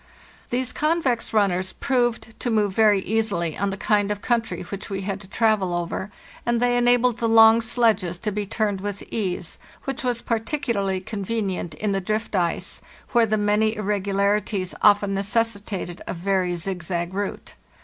These convex runners proved to move very easily on the kind of country which we had to travel over, and they enabled the long sledges to be turned with ease, which was particularly convenient in the drift ice, where the many irregularities often necessitated a very zigzag route.